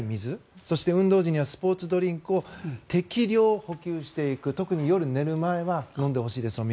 そして、運動時にはスポーツドリンクを適量補給していく特に夜寝る前は飲んでほしいですお水。